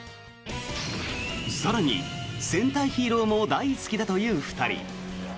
更に、戦隊ヒーローも大好きだという２人。